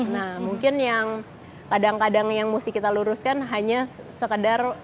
nah mungkin yang kadang kadang yang mesti kita luruskan hanya sekedar